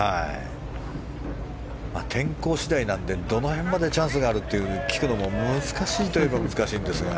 天候次第なのでどの辺までチャンスがあるのかと聞くのも難しいといえば難しいんですが。